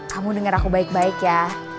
kamu dengar aku baik baik ya